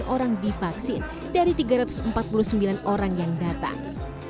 tiga ratus tiga puluh delapan orang divaksin dari tiga ratus empat puluh sembilan orang yang datang